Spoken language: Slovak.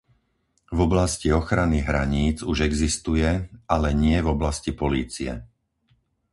V oblasti ochrany hraníc už existuje, ale nie v oblasti polície.